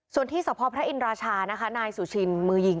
ส่วนที่สัพพระอิณรชานายสุชินพ์มือยิง